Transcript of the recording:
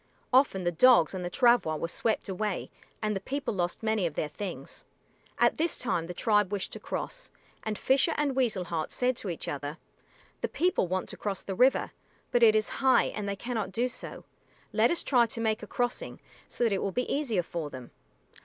Often the dogs and the travois were swept away and the people lost many of their things. At this time the tribe wished to cross, and Fisher and Weasel Heart said to each other, "The people want to cross the river, but it is high and they cannot do so. Let us try to make a crossing, so that it will be easier for them."